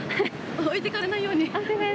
置いていかれないように。